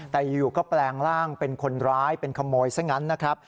แต่อยู่ก็แปลงร่างเป็นคนร้ายเป็นขโมยซะงั้นนะครับ